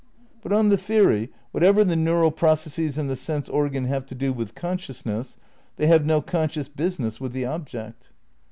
But, on the theory, whatever the neural processes and the sense organ have to do with consciousness, they have no conscious business with the object.